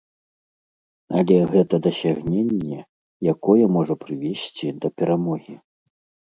Але гэта дасягненне, якое можа прывесці да перамогі.